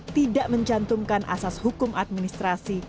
tidak mencantumkan asas hukum administrasi